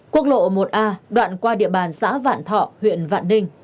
quốc lộ một a đoạn qua địa bàn xã vạn thọ huyện vạn ninh